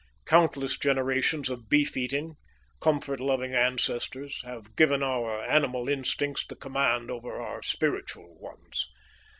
Countless generations of beef eating, comfort loving ancestors have given our animal instincts the command over our spiritual ones.